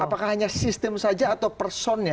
apakah hanya sistem saja atau personnya